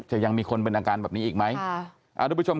จะยังมีคนเป็นอาการแบบนี้อีกไหม